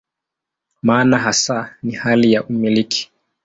Maana hasa ni hali ya "umiliki".